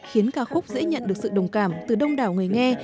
khiến ca khúc dễ nhận được sự đồng cảm từ đông đảo người nghe